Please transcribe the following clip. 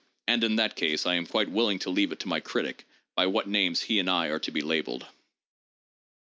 And in that case I am quite willing to leave it to my critic by what names he and I are to be labeled.